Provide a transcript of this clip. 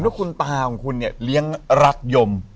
ว่าคุณตาของคุณเนี่ยเลี้ยงรักยม